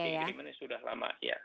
agreementnya sudah lama ya